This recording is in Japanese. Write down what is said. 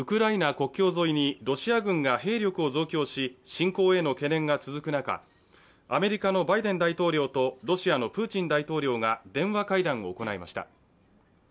国境沿いに、ロシア軍が兵力を増強し、侵攻への懸念が続く中、アメリカのバイデン大統領とロシアのプーチン大統領が電話会談を行いました。